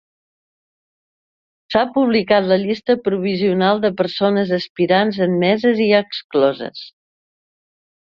S'ha publicat la llista provisional de persones aspirants admeses i excloses.